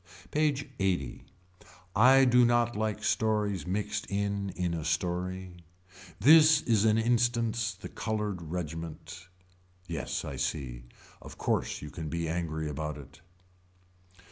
PAGE LXXX. I do not like stories mixed in in a story. This is an instance the colored regiment. Yes I see. Of course you can be angry about it.